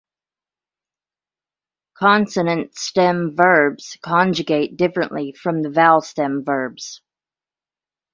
Consonant-stem verbs conjugate differently from the vowel-stem verbs.